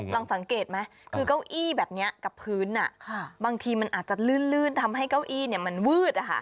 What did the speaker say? ลองสังเกตไหมคือเก้าอี้แบบนี้กับพื้นบางทีมันอาจจะลื่นทำให้เก้าอี้มันวืด